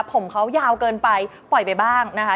ผมเขายาวเกินไปปล่อยไปบ้างนะคะ